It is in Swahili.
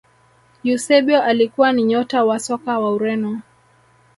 eusebio alikuwa ni nyota wa soka wa ureno